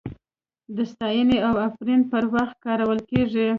د ستاینې او افرین پر وخت کارول کیږي.